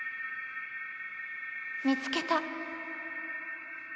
見つけた！